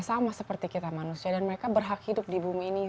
sama seperti kita manusia dan mereka berhak hidup di bumi ini